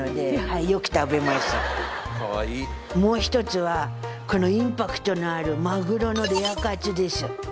もう一つはこのインパクトのあるまぐろのレアカツです。